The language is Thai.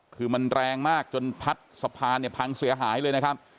คือมันแรงมากจนพัดสะพานเนี่ยพังเสียหายเลยนะครับ